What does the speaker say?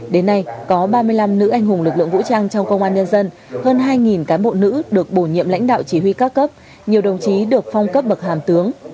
được bổ nhiệm lãnh đạo chỉ huy các cấp nhiều đồng chí được phong cấp bậc hàm tướng